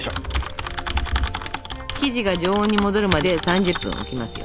生地が常温に戻るまで３０分置きますよ。